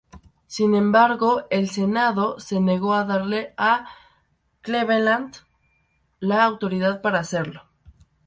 Sin embargo, el Senado se negó a darle a Cleveland la autoridad para hacerlo.